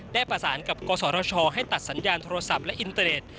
ได้ประสานกับกศชให้ตัดสัญญาณโทรศัพท์และอินเตรด